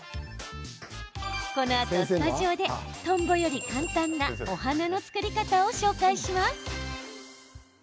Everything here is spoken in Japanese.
このあとスタジオでトンボより簡単なお花の作り方を紹介します。